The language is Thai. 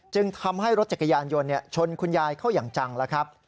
จึงทำให้รถจักรยานยนต์ชนคุณยายเข้าอย่างจังแล้วครับ